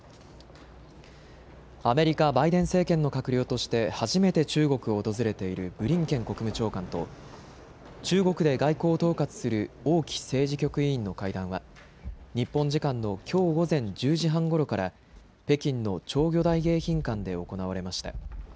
アメリカ・バイデン政権の閣僚として初めて中国を訪れているブリンケン国務長官と中国で外交を統括する王毅政治局委員の会談は日本時間のきょう午前１０時半ごろから北京の釣魚台迎賓館で行われました。